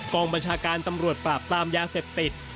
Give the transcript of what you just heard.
กองบัญชาการตำรวจปราบปรามยาเสพติด